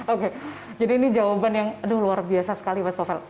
oke jadi ini jawaban yang aduh luar biasa sekali mas novel